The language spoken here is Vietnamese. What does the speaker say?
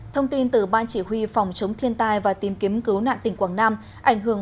thông tin từ ban chỉ huy phòng chống thiên tai và tìm kiếm cứu nạn tỉnh quảng nam ảnh hưởng